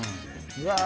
うわ！